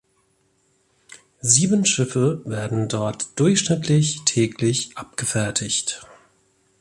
Sieben Schiffe werden dort durchschnittlich täglich abgefertigt.